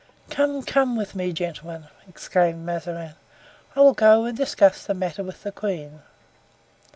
"Come, come with me, gentlemen!" exclaimed Mazarin. "I will go and discuss the matter with the queen."